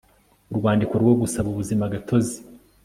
urwandiko rwo gusaba ubuzima gatozi